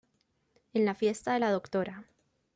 En la fiesta de la Dra.